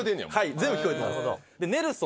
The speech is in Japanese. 全部聞こえてます。